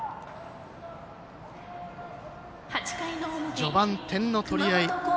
序盤、点の取り合い。